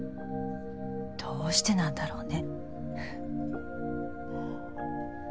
どうしてなんだろうね。